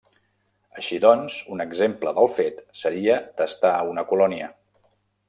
Així doncs, un exemple del fet, seria testar una colònia.